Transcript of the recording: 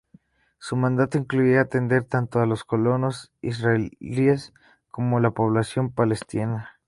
Su mandato incluía atender tanto a los colonos israelíes como a la población palestina.